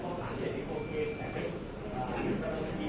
แต่ว่าไม่มีปรากฏว่าถ้าเกิดคนให้ยาที่๓๑